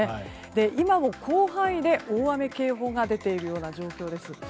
今も広範囲で大雨警報が出ているような状況です。